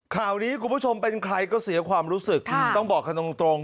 ข่าวนี้คุณผู้ชมเป็นใครก็เสียความรู้สึกต้องบอกกันตรง